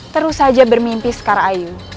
terus saja bermimpi sekar ayu